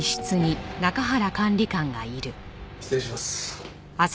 失礼します。